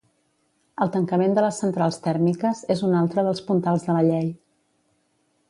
El tancament de les centrals tèrmiques és un altre dels puntals de la llei.